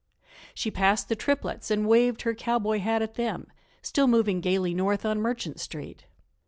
She passed the Tripletts and waved her cowboy hat at them, still moving gaily north on Merchant Street.